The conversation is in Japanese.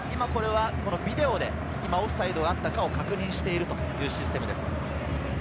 ビデオでオフサイドがあったかどうかを確認しているシステムです。